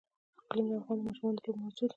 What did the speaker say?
اقلیم د افغان ماشومانو د لوبو موضوع ده.